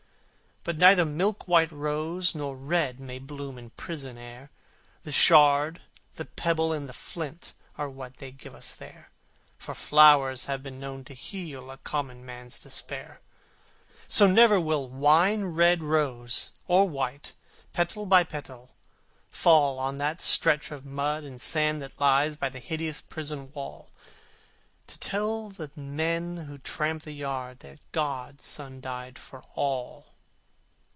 But neither milk white rose nor red May bloom in prison air; The shard, the pebble, and the flint, Are what they give us there: For flowers have been known to heal A common man's despair. So never will wine red rose or white, Petal by petal, fall On that stretch of mud and sand that lies By the hideous prison wall, To tell the men who tramp the yard That God's Son died for all.